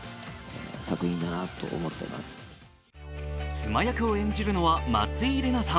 妻役を演じるのは松井玲奈さん。